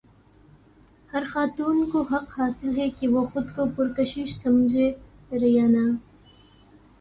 ہر خاتون کو حق حاصل ہے کہ وہ خود کو پرکشش سمجھے ریانا